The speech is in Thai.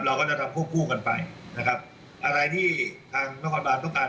เราก็จะทำควบคู่กันไปนะครับอะไรที่ทางนครบานต้องการ